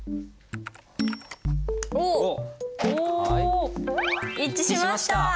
おっ！一致しました！